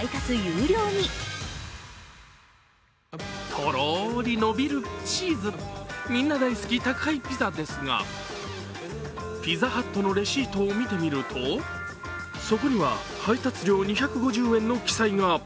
とろりのびるチーズ、みんな大好き宅配ピザですが、ピザハットのレシートを見てみると、そこには配達料２５０円の記載が。